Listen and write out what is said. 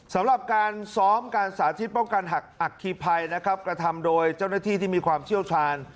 สำหรับการซ้อมการสาธิตป้องกันหักอัคคีภัยนะครับกระทำโดยเจ้าหน้าที่ที่มีความเชี่ยวชาญ